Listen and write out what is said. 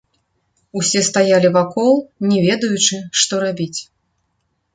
Усе стаялі вакол, не ведаючы, што рабіць.